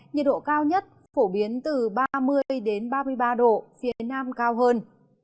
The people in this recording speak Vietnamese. nhiệt độ cao nhất phổ biến từ ba mươi ba mươi ba độ phía nam cao hơn